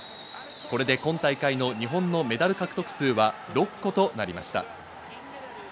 これで今大会の日本のメダル獲得数は６個となりました。